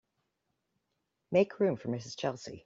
Make room for Mrs. Chelsea.